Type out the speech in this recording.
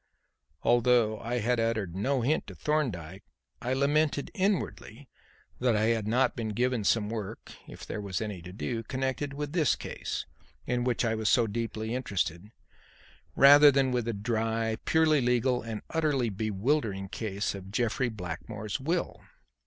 Although I had uttered no hint to Thorndyke, I lamented inwardly that I had not been given some work if there was any to do connected with this case, in which I was so deeply interested, rather than with the dry, purely legal and utterly bewildering case of Jeffrey Blackmore's will.